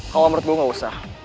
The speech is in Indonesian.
kalau menurut gue gak usah